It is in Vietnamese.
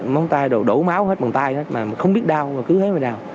móng tay đổ máu hết bằng tay hết mà không biết đau mà cứ thế mà đào